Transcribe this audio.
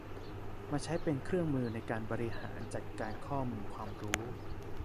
มาใช้เป็นเครื่องมือในการบริหารจัดการข้อมูลความรู้